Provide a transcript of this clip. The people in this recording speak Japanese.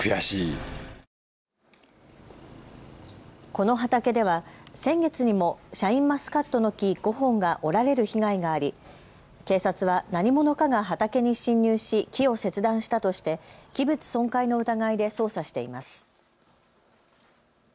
この畑では先月にもシャインマスカットの木５本が折られる被害があり警察は何者かが畑に侵入し木を切断したとして器物損壊の疑いで捜査しています。